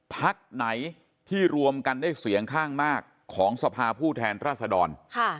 พักไหนที่รวมกันได้เสียงข้างมากของสภาผู้แทนราษดร